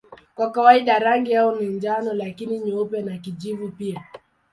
Kwa kawaida rangi yao ni njano lakini nyeupe na kijivu pia.